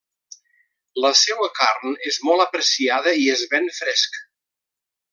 La seua carn és molt apreciada i es ven fresc.